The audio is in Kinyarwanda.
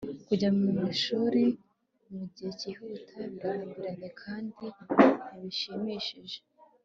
kujya mwishuri mugihe cyihuta birarambiranye kandi ntibishimishije